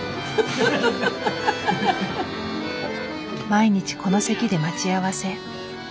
毎日この席で待ち合わせ。